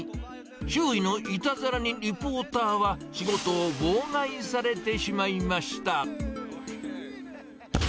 周囲のいたずらにリポーターは仕事を妨害されてしまいました。